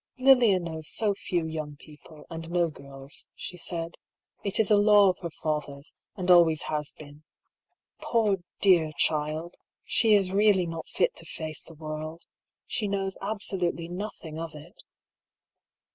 "Lilia knows so few young people, and no girls," she said. " It is a law of her father's, and always has been. Poor dear child ! she is really not fit to face the world. She knows absolutely nothing of it."